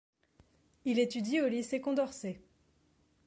Il étudie au lycée Condorcet.